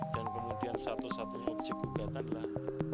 dan kemudian satu satunya objek gugatan adalah